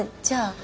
じゃあ。